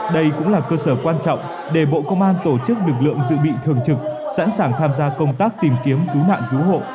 đây cũng là cơ sở quan trọng để bộ công an tổ chức lực lượng dự bị thường trực sẵn sàng tham gia công tác tìm kiếm cứu nạn cứu hộ